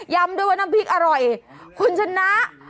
ด้วยว่าน้ำพริกอร่อยคุณชนะ